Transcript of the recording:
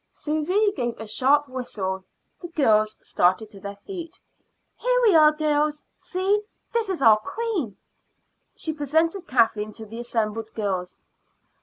Susy gave a sharp whistle; the girls started to their feet. "Here we are, girls. See, this is our queen," and she presented Kathleen to the assembled girls.